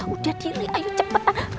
udah diri ayo cepetan